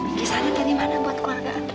bikin sana tadi mana buat keluarga andre